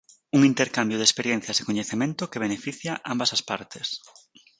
Un intercambio de experiencias e coñecemento que beneficia ambas as partes.